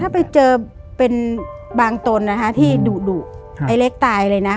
ถ้าไปเจอเป็นบางตนนะคะที่ดุดุไอ้เล็กตายเลยนะ